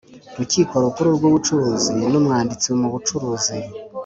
Rukiko Rukuru rw Ubucuruzi n Umwanditsi mubucuruzi